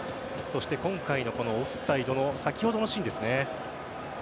そして、今回のオフサイドの先ほどのシーンですね。